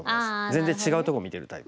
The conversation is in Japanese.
全然違うとこ見てるタイプ。